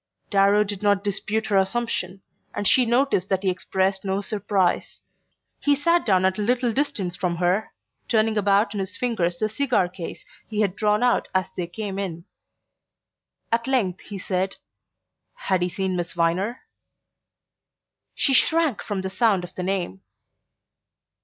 Darrow did not dispute her assumption, and she noticed that he expressed no surprise. He sat down at a little distance from her, turning about in his fingers the cigar case he had drawn out as they came in. At length he said: "Had he seen Miss Viner?" She shrank from the sound of the name.